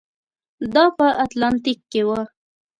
دا په اتلانتیک کې و.